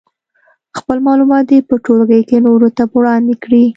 خپل معلومات دې په ټولګي کې نورو ته وړاندې کړي.